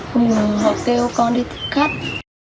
hôm rồi họ kêu con đi thích khách